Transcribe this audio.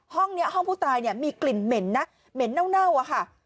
ห้องนี้ห้องผู้ตายเนี่ยมีกลิ่นเหม็นนะเหม็นเน่าอะค่ะ